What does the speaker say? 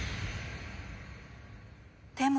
でも。